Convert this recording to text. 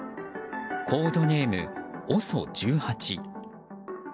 コードネーム、ＯＳＯ１８。